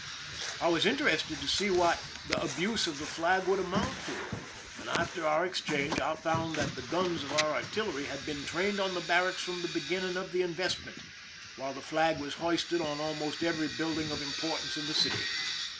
" I was interested to see what the abuse of the flag would amount to, and after our exchange I found that the guns of our artillery had been trained on the barracks from the beginning of the invest ment, while the flag was hoisted on almost every building of importance in the city.